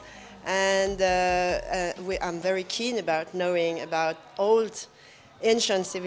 dan saya sangat berminat dengan mengetahui tentang kerajaan lama